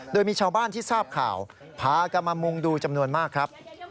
โดยมีชาวบ้านที่ทราบข่าวพากันมามุงดูจำนวนมากครับ